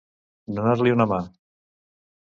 Donar-li una mà.